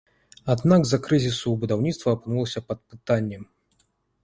Аднак з-за крызісу будаўніцтва апынулася пад пытаннем.